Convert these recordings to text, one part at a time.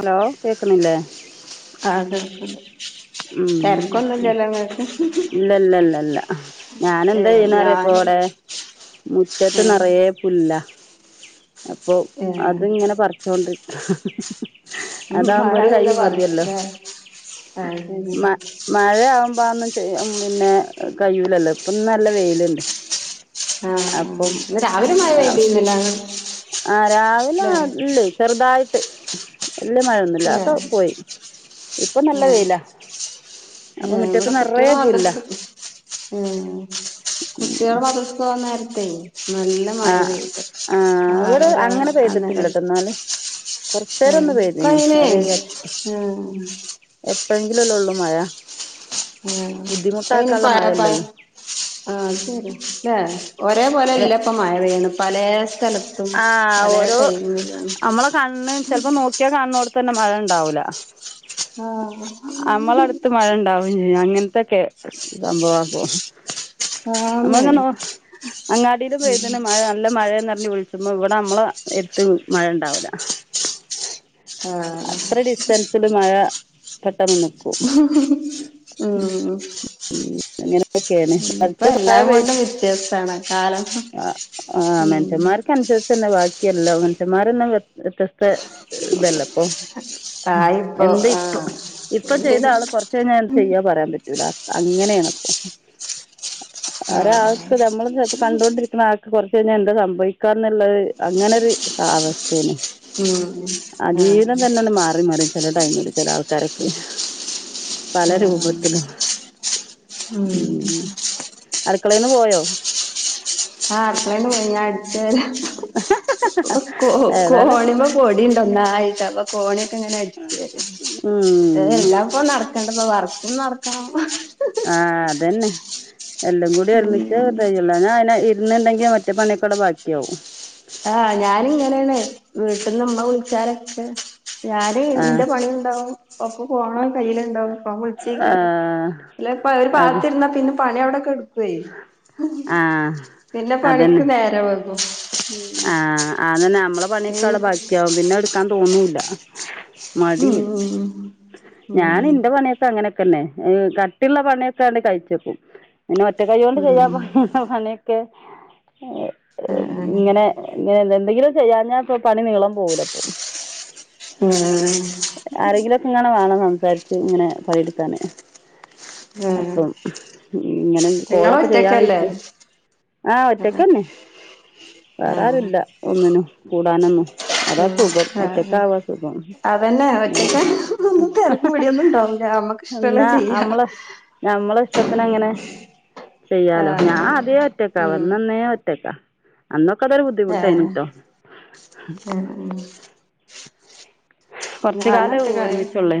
Hello കേക്ക്ന്നില്ലേ [unintelligible] ഉം തിരക്കൊന്നുംല്ലല്ലോ ഇങ്ങക്ക് ഇല്ലല്ലല്ലല്ല ഞാൻ ഏ എന്താ ചെയ്യുന്നറിയ ഇപ്പൊ ഞാന് അവിടെ മുറ്റത്ത് ഏ നിറയേ അപ്പൊ ഏ അത്ങ്ങനെ പറച്ചോണ്ട് അതാവകുമ്പോ ഒരു കൈ മതിയല്ലോ അ അത് മ മഴ ആകുമ്പോ അന്നും പിന്നെ കഴൂലല്ലോ ഇപ്പൊ നല്ല വെയിലുണ്ട് അപ്പം ആഹ് ആഹ് അ അവര് മഴ പേല്ലുന്നില്ല ആഹ് രാവിലെല്ലേ ചെറുതായിട്ട് വല്യ മഴയൊന്നും ഇല്ല ഏ ഒക്കെ പോയി ഇപ്പൊ നല്ല വെയിലാ അപ്പൊ ഏഹ് മുറ്റത്ത് ഇവിടെ നിറയെ കുട്ടികള [unintelligible] പുല്ലാ ഉം കുട്ടികൾ [unintelligible] നേരത്തെേ നല്ല നല്ല ആ മഴ പെയട്ട ആ ഇവിടെ ആറര അങ്ങനെ അന്നര പെയ്തിട്ടില്ലട്ടോ എന്നാല് കുറച്ച് നേരം ഉം ഒന്ന് പെയ്തിന് പിന്നെ ഉം എപ്പോഴെങ്കിലുംല്ലേ ഉള്ളൂ മഴ ഉം [unintelligible] ബുദ്ധിമുട്ടാക്കാനുള്ള മഴയല്ലല്ലോ ആഹ് ശരി അല്ലേ ഒരേ പോലെ ഇല്ലപ്പ മഴവയാണ് പല സ്ഥലത്ത് ആഹ് ഓരോ നമ്മളെ കണ്ണ് ചെലപ്പോ നോക്കിയാൽ കണ്ണടത്ത് തന്നെ മഴ ഉണ്ടാവൂല ആഹ് അങ്ങനത്തൊക്കെ സംഭവ ആക്ക ആന്ന് നമ്മളങ്ങെ അങ്ങാടിയില പോയതിന് മഴ നല്ല മഴന്ന്റഞ്ഞ് വിളിച്ച [unintelligible] ഇവിടെ നമ്മള് എത്തും മഴ ഉണ്ടാവൂല ആഹ് അത്ര ഡിസ്റ്റൻസില് മഴ പെട്ടെന്ന് നിക്കും ഉം ഇങ്ങനെയൊക്കെയാണ് ഇപ്പ കുറച്ച് എല്ലാം കൊണ്ടും വ്യത്യാസമാണ് കാലം ആഹ് ആഹ് ഉം മനഷ്യന്മാർക്ക് അനുസരിച്ച് എന്താ ല്ലോ മനുഷന്മാരന്നും വ്യ വ്യത്യസ്ത ഇതല്ല അപ്പൊ ആയിപ്പോ എന്ത് ഇപ്പ ആഹ് ഇപ്പം ചെയ്ത ആള് കൊറച്ച ഞാൻ ചെയ്യാ പറയാൻ പറ്റൂല അങ്ങനെയാണ്പ്പ ആഹ് ഒരാൾക്ക് നമ്മൾ കണ്ട ക്ക് കുറച്ച് കഴിഞ്ഞാൽ എന്താ സംഭവിക്കാന്നുള്ളത് അങ്ങനെ ഒരുസ്ഥ [unintelligible] ഉം ആഹ് ജീവിതം തന്നെന്ന് മാറി മാറി ചില ടൈമില് ചില ആൾക്കാരൊക്കെ പല ആഹ് ആഹ് രൂപത്തിലും ഉം അടുക്കളന്ന് പോയോ ആഹ് അടുത്തളേന്ന് പോയി ഞാൻ അടിച്ച കോ ഏതായാലും കോണ്പോ കോടിയണ്ട് ഒന്നായിട്ട് അപ്പൊ കോണിയൊക്കെ ഇങ്ങനെ അടിച്ചര ഉം എല്ലാം [unintelligible] കണ്ടപ്പോ വർക്കും നടക്കണം ആഹ് അതന്നെ എല്ലകൂടി ഒരുമിച്ച് ഞാ അയി പിന്നെണ്ടെങ്കിൽ മറ്റേ പണിയൊക്കെ ബാക്കിയാവും. ആഹ് ഞാന ഇങ്ങനെയാണ് വീട്ടിന്ന്മ്മ വിളിച്ചാരൊക്കെ ഞാന് ആ എന്റെ പണി ഇണ്ടാവും ഓക്ക് ഫോണും കയ്യിലുണ്ടാവും അപ്പം ആ അല്ലേ ഇപ്പ അത് പാത്തിരുന്നാ പിന്നെ പണി അവിടെ കെടക് ആ പിന്നെ പണീക്ക് നേരം വൈകും ആഹ് അതന്നെ നമ്മളെ പണിയൊക്കെ അവിടെ ബാക്കിയാവും പിന്നെ എടുക്കാൻ തോന്നൂല്ല മടി ഉം ഞാൻ ഉം ഇൻ്റെ പണിയൊ അങ്ങനെക്കന്നെ കട്ടിയുള്ള പണിയൊക്കെ [unintelligible] പിന്നെ ഒറ്റ കൈ കൊണ്ടു ചെയ്യാ ഉം [unintelligible] ആഹ് ആഹ് ന്നെ എന്തെങ്കിലും ചെയ്യാഞ്ഞ പണി നീളം കൂടും ഉം ആരെങ്കിലൊക്കെ ഇങ്ങനെ വേണം സംസാരിച്ച് ഇങ്ങനെ പണിയെടുക്കാന് ആഹ് അപ്പം ഇങ്ങനെ നിങ്ങള് കോളൊക്കെ ഒറ്റക്കല്ലേ ചെയ്യാനിട്ടും ആഹ് ഒറ്റക്കന്നെ വേറാരും ആഹ് ഇല്ല ഒന്നിനും കൂടാനൊന്നും അതാ സുഖം ഒറ്റക്കാവാ സുഖം തന്നെ ഞാൻ ഒറ്റക്കൊന്നും തിരക്ക് മടിയൊന്നും ഉണ്ടാവില്ല ഞമ്മക്ക് ഇഷ്ടൊള്ള ചെയ്യാം ഞമ്മള ഇഷ്ടത്തിനങ്ങനെ ചെയ്യാനോ ആഹ് ഞാൻ ആദ്യവേ ഒറ്റക്കാ ഉം വന്നന്നേ ഒറ്റക്കാ അന്ന് ഏഹ് ആഹ് കുറച്ച് ഞാനും കാലം ഒറ്റക്കാണ് ഒരുമിച്ചുള്ളേ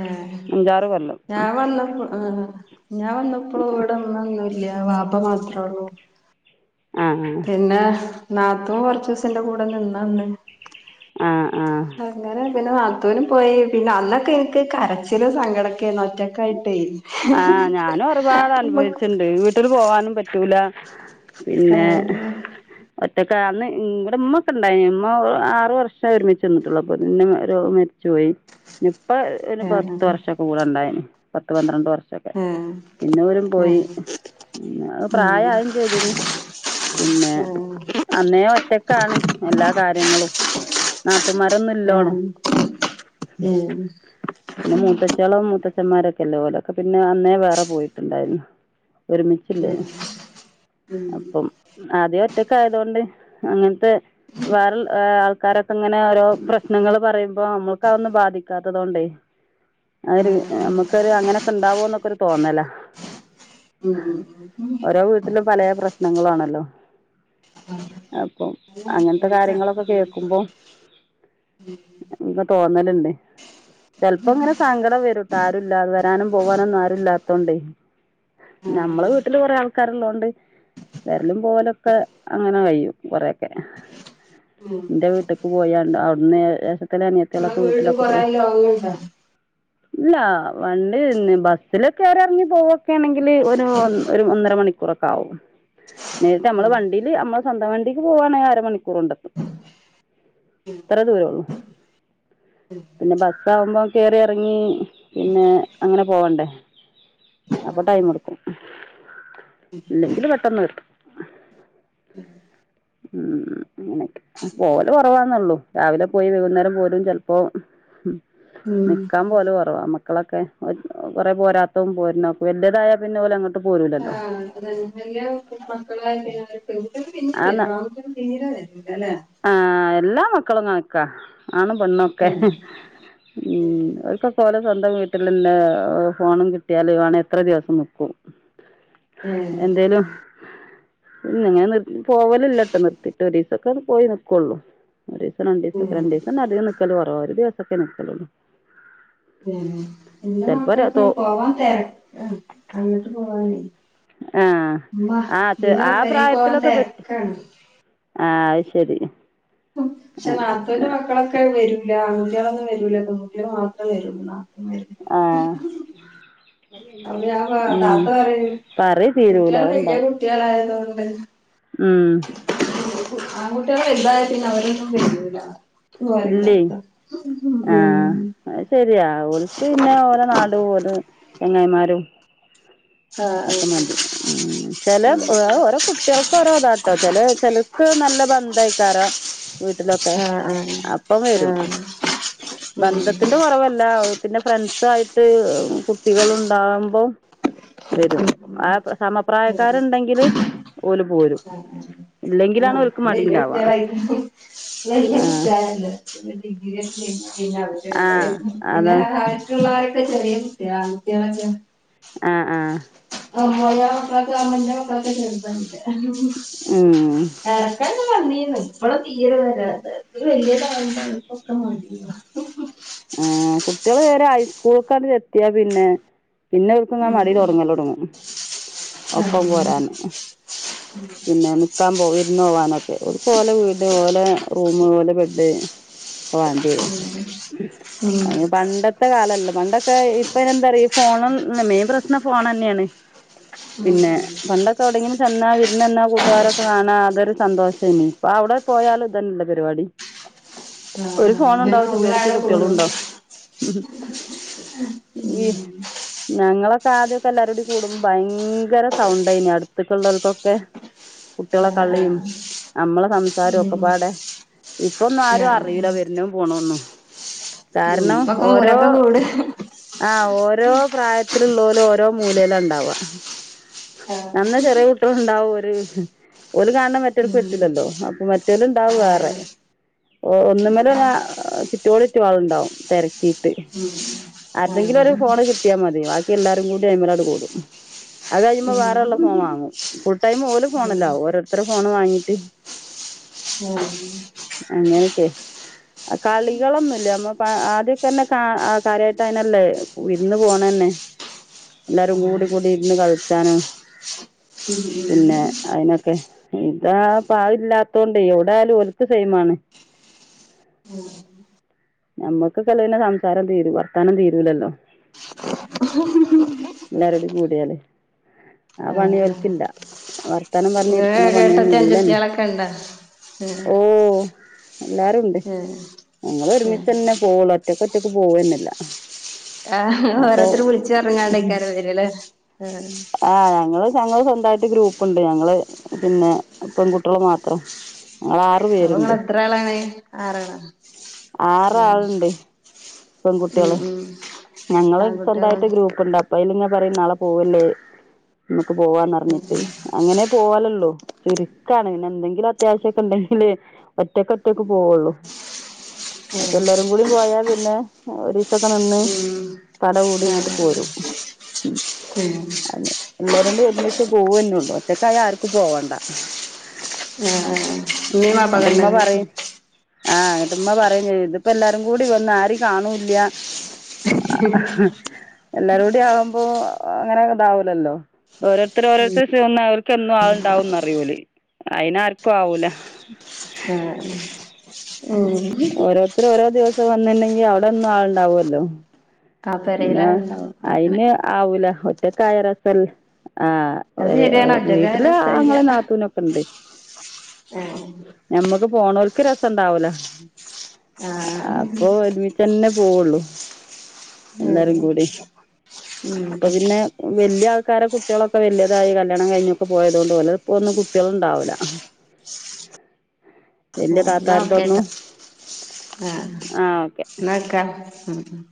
ഏഹ് അഞ്ചാറ് കൊല്ലം ഞാൻ വന്നപ്പോ ഞാൻ വന്നപ്പളും ഇവിടന്ന ല്ല വാപ്പ മാത്ര ഉള്ളു ആഹ് ആഹ് പിന്നെ നാത്തൂൻ കൊറച്ചീസം എന്റ കൂട നിന്ന അന്ന് ആഹ് ആഹ് അങ്ങനെ പിന്നെ നാത്തൂനും പോയി പിന്നെ അന്നൊക്കെ എനിക്ക് കരച്ചിലും സങ്കടൊക്കെ ആയിരുന്നു ഒറ്റക്കായിട്ടേ ആഹ് ഞാനും ഒരുപാട് നമ്മക്ക് അനുഭവിച്ച്ണ്ട് ട്ടിലും പോവാനും പറ്റൂല പിന്നെ ഏഹ് ഒറ്റക്കെ അന്ന് ഇവ്ടെ ഉമ്മക്കെ ഇണ്ടായിനി ഇമ്മ ആറു വർഷം ഒരുമിച്ചിന്നിട്ടുള്ളൂ അപ്പൊ ഇമ്മ ഒരു മര ചോയി ഇപ്പ ഒരു ഏഹ് പത്ത് വർഷം കൂടെ ഉണ്ടായിനി പത്ത് പന്ത്രണ്ട് വർഷ ഏഹ് പിന്നെ ഓരും പോയി ഏഹ് പ്രായ ആയും നമ്മളെ ചെയ്തിനി പിന്നെ അന്നേ ഒറ്റക്കാണ് എല്ലാ കാര്യങ്ങളും നാത്തൂന്മാരൊന്നും ഇല്ലോണും വീട്ടിൽ പിന്നെ മൂത്തച്ചിയോളും മൂത്ത ച്ചമ്മാരൊക്കെല്ലേ ഓലൊക്കെ പിന്നെ അന്നേ വേറെ പോയിട്ടുണ്ടായിരുന്നു ഒരുമിച്ചില്ലേ അപ്പം ആദ്യം ഒറ്റക്കായതൊണ്ട് അങ്ങനത്തെ വേറെ ആൾക്കാരൊ അങ്ങനെ ഓരോ പ്രശ്നങ്ങള് പറയുമ്പോ നമ്മൾക്കതൊന്നും ബാധിക്കാത്തതൊണ്ടേ ആഹ് ഒരു നമുക്കൊരു അങ്ങനെയൊക്കെ ഇണ്ടാവോന്നൊക്കെ ഒരു തോന്നലാ ഉം ഉം ഉം പിന്നെ പലേ പ്രശ്നങ്ങളാണല്ലോ അപ്പം അങ്ങനത്തെ കാര്യങ്ങളൊക്കെ കേൾക്കുമ്പം ൻപ്പ തോന്നല്ണ്ട് ചെലപ്പോ ഇങ്ങനെ സങ്കടം വരും ആരുല്ലാ വരാനും പോവാനൊന്നും ആരും ഇല്ലാത്തൊണ്ടേ നമ്മള വീട്ടില് കൊറേ ആൾ ക്കാര് ഒള്ളോണ്ട് വെരലും പോവലൊക്കെ അങ്ങനെ കഴിയും കൊറേക്കെ എന്റെ വീട്ട്ക്ക് പോയാൽ അവിടുന്ന് ത്തില അനിയത്തിളൊക്കെ വീട്ടിലൊക്കെ കൊറേ പോയി ലോകണ്ടോ ഇല്ല വണ്ട് ഇന്ന് ബസ്സിലൊക്കെ വറെ ഇറങ്ങി പോവു ണെങ്കിൽ ഒരു ഒന്നര മണിക്കൂറെക്കെ ആവും നമ്മൾ വണ്ടി ഇത് മ്മളെ സ്വന്തവണ്ടിക്ക് പോവാണ് ആര മണിക്കൂറ് [unintelligible] അത്ര ദൂരേള്ളു പിന്നെ ബസ്സാകുമ്പോ കേറിയറങ്ങി പിന്നെ അങ്ങനെ പോവണ്ടേ അപ്പൊ ടൈമെടുക്കും ഇല്ലെങ്കില് പെട്ടെന്ന് പേരു ഉം അങ്ങനെയക്ക പോല് കൊറവാന്നള്ളു രാവിലെ പോയി വൈകുന്നേരം പോരു ചെൽപ്പോ ഉം നിക്കാൻ പോല് കൊറവാ മക്കളൊക്കെ കുറെ പോരാത്തു പോരുന്നെ വല്യയതായ പിന്നോല് അങ്ങോട്ട് ആഹ് അതന്നെ വല്യമക്കളായ പിന്നവര് പെകുട്യോള് പിന്നെ വരു ആന്ന് ആകുട്ടയള് തീരെ വരുല്ലല്ലേ ആഹ് എല്ലാ മക്കളുകണക്കാ ആണുപെണ്ണൊക്കെ ഉം ഉം ഒൽക്കൊക്കെസ്വന്തം വീട്ടിൽന്നെ ഫോണു കിട്ടിയാല് വേണ എത്ര ദിവസം നിക്കും ഉം എന്തേലും പിന്നിങ്ങനെ പോവലില്ലട്ടോ നിർത്തിയിട്ട് ഒരീസക്കെ പോയി നിക്കക്കുള്ളൂ ഒരീസരണ്ടീസൊക്കെ രണ്ടിസ നിക്കലൊറവാ ഒര് ദിവസൊക്കെ നിക്കലുള്ളു ഉം എന്റെ ചെലപ്പോ ര തോ മക്കൾക്കെക്കെ പോവാൻ തെരക്കാ അങ്ങട്ട് പോവാനേ ആഹ് ഉമ്മ ആഹ് ഇന്റെ ആ പെരേക്ക് പോവാൻ പ്രായത്തിലൊക്കെ പറ്റു തെരക്കാണ് ആഹ് അയ് ശെരി പശെ നാത്തൂന്റെ മക്കളൊക്കെ വരൂല്ല അങ്ങുട്ടികളൊന്നും വരൂലാ പൊങ്കുട്ടയോ ള് മാത്രേ വരള്ളൂ ആഹ് അപ്പൊ ഞാൻ പ- ഉം താത്ത പറീ തീരൂല അഹ്ണ്ടാവും കുട്ടികളായതോണ്ട് ഉം ആകുട്ട്യോള് വലുതായ പിന്ന അവരൊന്നും വെരൂല [unintelligible] അയ് ശരിയാ ഓൽക്ക് പിന്നെ ഓരെ നാടും ഓരെ ചെങ്ങായിമാരും ആഹ് ഒക്കെ മതി ചെല ഓരോ കുട്ടികൾക്ക ഓരോ ഇതാട്ടോ ചെല ചെലക്ക് നല്ല ബന്ധയിക്കാരോ വീട്ടിലൊക്കെ ആഹ് ആഹ് വരും ആഹ് ബന്ധത്തിന്റെ കൊറവല്ല പിന്ന ഫ്രണ്ട്സായിട്ട് കുട്ടികള് ഉണ്ടാവുമ്പോം വെരും ആ ഉം ഉം സമപ്രായക്കാരുണ്ടെങ്കില് ഓല് പോരും ഇല്ലെങ്കിലാണ് ഓൽക്ക് മടി ഇണ്ടാവ വെല്ലുട്ടാളായി വെല്യ ആഹ് കുട്ടികളായി ആഹ് അതാ [unintelligible] പിള്ളാരൊക്കെ ചെറിയ കുട്ട്യോളാണ ആൺകുട്ട്യാളക്കെ ആഹ് ആഹ് [unintelligible] മക്കളൊക്കെ ചെർതാണ് ഉം എടക്കെ വന്നീന് ഇപ്പള തീരെ വരാത്തെ വെല്യ [unintelligible] ആ കുട്ട്യള് വേറെ ഹൈസ്കൂൾക്കങ്ങ്ത്തിയാ പിന്നെ പിന്നെ ഒൽക്കങ്ങനെ ഉം മടി തൊടങ്ങലടങ്ങും ഉം ഒപ്പം ആഹ് പോരന്ന് പിന്നെ നിക്കാൻ പോ വിരുന്ന് പോവാനൊക്കെ ഒര്ക്ക് ഓലെ വീട് ഓലെ റൂം ഓലെ ബെഡ് വണ്ടിയരും അഹ് പണ്ടത്തെ കാലല്ല പണ്ടൊക്കെ ഇപ്പെന്തറിയ ഫോണ മെയിൻ പ്രശ്നം ഫോണെന്നാണ് പിന്നെ പണ്ടൊക്കെവിടെങ്കിലും ചെന്നാല് ഇന്നെന്ന കൂട്ടുകാരൊക്കെ കാണാ അതൊരു സന്തോഷല്ലേ ഇപ്പൊ അവിടെ പോയാലും ഇതന്നല്ല പര് വാടി ഒരു ആഹ് ഫോണു ണ്ടാവും ച്ചിറ്റോട്റ്റ് റൂമിലവിടെ കുട്ടിയൊളും കൂടും ഉണ്ടാവും [inaudible] ഞങ്ങളൊക്കെ ആദ്യൊക്കെ എല്ലാരൂടി കൂടുമ്പ ഭയങ്കര സൗണ്ടേയ്നി അടുത്ത്ക്കെ ഉള്ളോൽക്കൊ ക്കെ കുട്ടിയോളെ ആഹ് കളീം ആഹ് നമ്മളെ സംസാരൊക്കെപ്പാടെ ഇപ്പൊന്നും ആരും അറിയൂല്ല ആഹ് വെര്നഹും പോണോ ഒന്നും കാരണം ഇപ്പൊക്കെ ഓരോ മൂലൊക്കെ കൂടും ആഹ് ഓരോ പ്രായത്തിലുളേളാല് ഓരോ മൂലെലാണ്ടാവാ [unintelligible] ആഹ് [unintelligible] ന്നാ ചെറിയെ കുട്ടോൾ ണ്ടാവും ഒര് ഹ് ഓല് കാണ് ണെ മറ്റൊല്ക്ക് നിങ്ങളെ പറ്റുല്ലല്ലോ അപ്പൊ മറ്റോല് ണ്ടാവും വേറെ ഓ ഒന്നുമേലെന്നെ ചുറ്റോട്റ്റും ആള്ണ്ടാവും തെരക്കിട്ട് ഉം ആര്തെങ്കിലൊരു ഒരു ഫോണ് കിട്ടിയാമതി ബാക്കി എല്ലാരും കൂടി അയ്മലാണ്ട് കൂടും. അത് കഴിയുമ്പോ വേറെള്ള ഫോം വാങ്ങും. ഫുൾ ടൈം ഓല് ഫോണിലാവും ഓരോര്ത്തരെ ഫോണ് വാങ്ങീട്ട് ഏഹ് കളികളൊന്നുല്ല്യ മ്മള് ഇപ്പ ആദ്യൊക്കെ തന്നെ കാ കാര്യായിട്ട് അയ്നല്ലേ വിരുന്ന് പോണെന്നെ എല്ലാവരും കൂടി കൂടി ഇരുന്ന് കളിച്ചാനും പിന്നെ അയ്നൊക്കെ ഇതാ പാവില്ലാത്തോണ്ടേയ് എവിടൊയാലും ഓല്ക്ക് സെയിമാണ്. [inaudible] ഉം ഞമ്മക്കൊക്കെ അല്ലെങ്കിലും സംസാരം തീരു വർത്തമാനം തീരൂലല്ലോ [unintelligible] എല്ലാരൂടി കൂടിയാല് ആ പണി ഓൽ ക്ക് ല്ല വർത്താനം പറഞ്ഞിരി ഏ ഏട്ടത്തി അഞ്ചത്തിയാളൊക്കെ ണ്ടാ ഓ എല്ലാരുണ്ട് ഉം ഞങ്ങൾ ഉം ഒരുമിച്ചെന്നെ പോവൂല ഒറ്റയ്ക്ക് ഒറ്റയ്ക്ക് പോവന്നെല്ല. ആഹ് ങ്ങള് ഓരോര്ത്തര് വിൾച്ചർഞ്ങ്ങാണ്ടെയ്കാരം വെര്അലെ ആഹ് ഞങ്ങൾ ഞങ്ങൾ സ സൊന്തായിറ്റ് ഗ്രൂപ്പ്ണ്ട് ഞങ്ങള് പിന്നെ പെൺകുട്ടോള് മാത്രം ഞങ്ങളാ അപ്പ ങ്ങളെത്രാളാണ് ആറാളാ ഉം ഉം പെഗുട്ടിയോള് ഉം ഞങ്ങള് ആൺകുട്ടികളാ സ്വന്തയിട്ട് ഗ്രൂപ്പുണ്ടാ അപ്പ അയ്ല് ങ്ങ പറിം നാളെ പോവല്ലേ മ്മക്ക് പോവാന്നർഞ്ഞിട്ട് അങ്ങനെ പോവലൊള്ളൂ ചുരുക്കാണ് പിന്നെ എന്തെങ്കിലും അത്യാവശ്യോക്കെ ണ്ടെങ്കില് ഒറ്റയ്ക്ക് ഒറ്റയ്ക്ക് പോവൊള്ളൂ അപ്പ ഉം എല്ലാരും കൂടി പോയാപിന്നെ ഒരീസൊക്കെ നിന്ന് ഉം തട കൂടി ആഹ് ഇങ്ങട്ട് ആഹ് പോരും ഉം [unintelligible] എല്ലാരുടെ ഒരുമി ച്ച് പോവന്നെ ഒള്ളൂ ഒറ്റക്കായ ആർക്കും പോവണ്ട ഏഹ് അഹ് ആഹ് ആഹ് ഉമ്മേം വാപ്പയൊക്കെ ന്നട്ട് ഇണ്ടാ മ്മ ഇങ്ങക്ക് പറിം ആഹ് ന്നട്ട് മ്മ പറിം ചെയ്യും ഇതിപ്പോ എല്ലാരും കൂടി വന്ന് ആരിം കാണൂല്ല എല്ലാരും കൂടി ആവുമ്പോ അങ്ങനെ ഇതാവുലല്ലോ ഇത്ര ഓരോരുത്തര് ച്ച് വന്ന ഓര്ക്ക് എന്നും ആള് ണ്ടാവുന്നരിം ഓല് അയിന് ആര്ക്കു ആവൂല്ല ആഹ് ആഹ് ഉം ഓരോരുത്തര് ഓരോ ദിവസം വന്ന്ണ്ടെങ്കിൽ അവ്ടെ എന്നും ആള്ണ്ടാവൊല്ലോ ആ പെരേല് ന്നെ ആളുണ്ടാവും അങ്ങനെ അയിന് ആവൂല്ല ഒറ്റക്കായ രസല്ല ആഹ് അഹ് അത് വരെ ശരിയാണ് അഹ് ഒറ്റക്കായ വീട്ട്ല് ആങ്ങളി നാത്തൂനൊക്കെണ്ട്. ഏഹ് ഞമ്മക് പോണോൽക്ക് രെസെണ്ടാവൂലോ ആഹ് ഉം അപ്പൊ ഓല് പി തെന്നെ പോവള്ളൂ ഏഹ് ഇപ്പൊ പിന്നെ ഉം വല്യ ആൾക്കാരെ കുട്ടികളൊക്കെ വലിതായി കല്യാണം കഴിഞ്ഞൊക്കെ പോയത് കൊണ്ട് ഓലെ ഇപ്പൊന്നും കുട്ടികൾ ഉണ്ടാവില്ല [inaudible] താത്താര്തൊന്നും ആ ഓക്കെ [unintelligible]